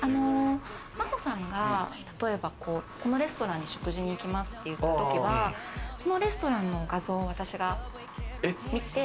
真帆さんが例えばこのレストランに食事に行きますって言った時は、そのレストランの画像を私が見て。